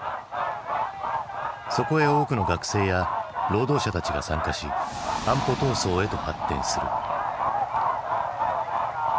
そこへ多くの学生や労働者たちが参加し安保闘争へと発展する。